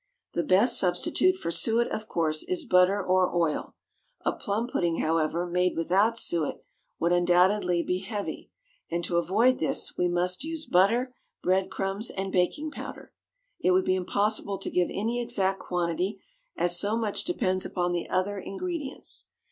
The best substitute for suet, of course, is butter or oil; a plum pudding, however, made without suet, would undoubtedly be heavy, and, to avoid this, we must use butter, bread crumbs, and baking powder. It would be impossible to give any exact quantity, as so much depends upon the other ingredients.